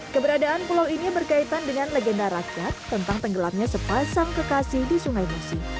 keberadaan pulau ini berkaitan dengan legenda rakyat tentang tenggelamnya sepasang kekasih di sungai musi